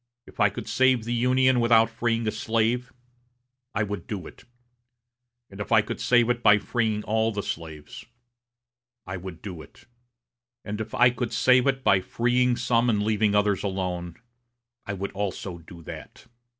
If I could save the Union without freeing any slave, I would do it; and if I could save it by freeing all the slaves, I would do it; and if I could save it by freeing some and leaving others alone, I would also do that.